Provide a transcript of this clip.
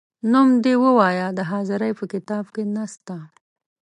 نوم دي ووایه د حاضرۍ په کتاب کې نه سته ،